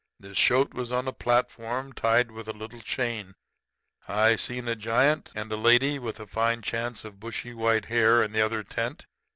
This shoat was on a platform, tied with a little chain. I seen a giant and a lady with a fine chance of bushy white hair in the other tent.